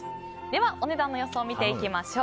お値段の予想見ていきましょう。